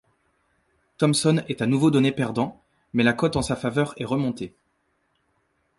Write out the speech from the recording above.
Thompson est à nouveau donné perdant, mais la côte en sa faveur est remontée.